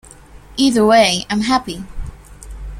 Either way, I’m happy.